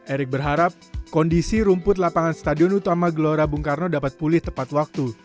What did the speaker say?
erick berharap kondisi rumput lapangan stadion utama gelora bung karno dapat pulih tepat waktu